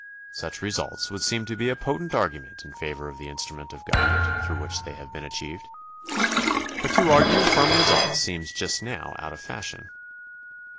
Such results would seem to be a potent argument in favor of the instrument of government through which they have been achieved. But to argue from results seems just now out of fashion.